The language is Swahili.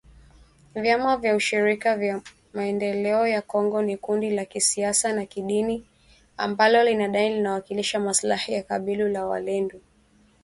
Vyama vya ushirika ya maendeleo ya Kongo ni kundi la kisiasa na kidini ambalo linadai linawakilisha maslahi ya kabila la walendu